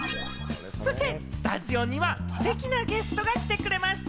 スタジオにはステキなゲストが来てくれました。